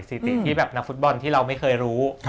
ถิติที่แบบนักฟุตบอลที่เราไม่เคยรู้